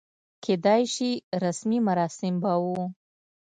کېدای شي رسمي مراسم به و.